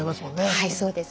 はいそうです。